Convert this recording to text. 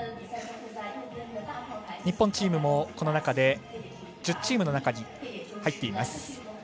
日本チームもこの中で１０チームの中に入っています。